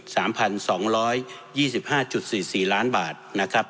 สามพันสองร้อยยี่สิบห้าจุดสี่สี่ล้านบาทนะครับ